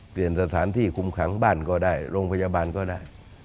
เปลี่ยนสถานที่คุมขังบ้านก็ได้โรงพยาบาลก็ได้